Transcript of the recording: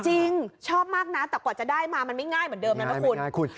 จริงชอบมากนะแต่กว่าจะได้มามันไม่ง่ายเหมือนเดิมแล้วนะคุณ